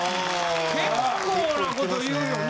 結構なこと言うよね。